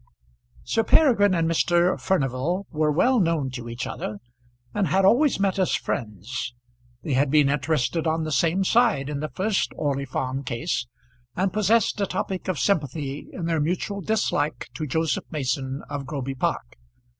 Sir Peregrine and Mr. Furnival were well known to each other, and had always met as friends. They had been interested on the same side in the first Orley Farm Case, and possessed a topic of sympathy in their mutual dislike to Joseph Mason of Groby Park.